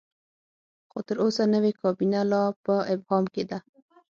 خو تر اوسه نوې کابینه لا په ابهام کې ده.